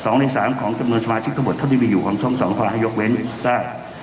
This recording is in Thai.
๒ใน๓ของจำนวนสมาชิกทบทธนียวิอยู่ของส่องส่องภาษาหยกเว้นได้